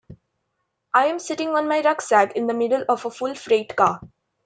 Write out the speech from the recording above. I am sitting on my rucksack in the middle of a full freight car.